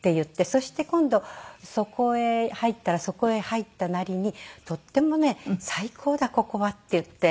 そして今度そこへ入ったらそこへ入ったなりにとってもね最高だここはって言って。